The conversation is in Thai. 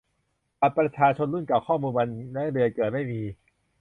บัตรประชาชนรุ่นเก่า ข้อมูลวันและเดือนเกิดไม่มี